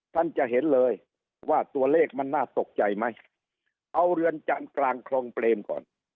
ท่านจะเห็นเลยว่าตัวเลขมันน่าตกใจไหมเอาเรือนจำกลางคลองเปรมก่อน